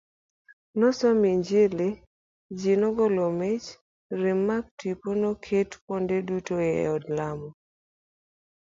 Nosom injili, ji nogolo mich, ramak tipo noket kuonde duto e od lamo.